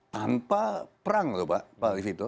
tanpa perang lho pak